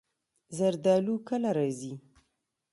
زردالو کله راځي؟